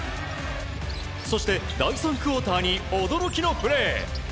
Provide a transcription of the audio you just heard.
そして、第３クオーターに驚きのプレー。